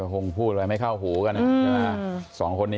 คงพูดเลยไม่เข้าหูกัน